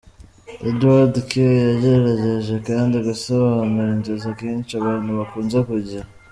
Edouard K. yagerageje kandi gusobanura inzozi akenshi abantu bakunze kugira.